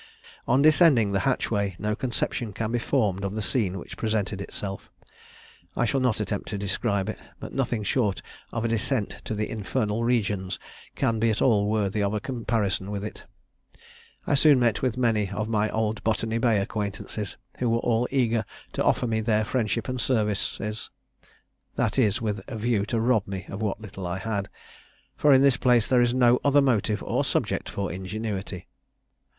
On descending the hatchway, no conception can be formed of the scene which presented itself. I shall not attempt to describe it; but nothing short of a descent to the infernal regions can be at all worthy of a comparison with it. I soon met with many of my old Botany Bay acquaintances, who were all eager to offer me their friendship and services, that is, with a view to rob me of what little I had; for in this place there is no other motive or subject for ingenuity.